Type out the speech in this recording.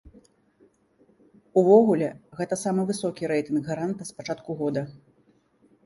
Увогуле, гэта самы высокі рэйтынг гаранта з пачатку года.